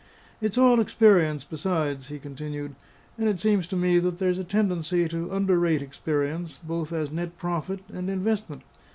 "It's all experience, besides;" he continued, "and it seems to me there's a tendency to underrate experience, both as net profit and investment.